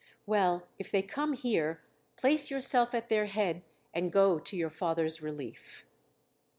"Well, if they come here, place yourself at their head and go to your father's relief."